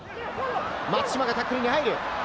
松島がタックルに入る。